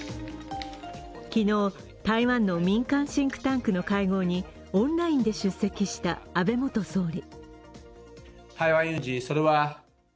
昨日、台湾の民間シンクタンクの会合にオンラインで出席した安倍元総理。